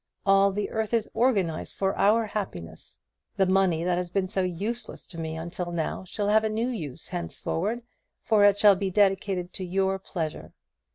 All the earth is organized for our happiness. The money that has been so useless to me until now shall have a new use henceforward, for it shall be dedicated to your pleasure.